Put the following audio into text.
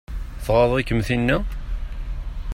Tɣaḍ-ikem tinna?